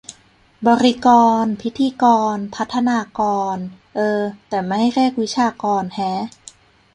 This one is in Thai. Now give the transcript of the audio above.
บริกร พิธีกร พัฒนากร เออ แต่ไม่เรียก วิชากร แฮะ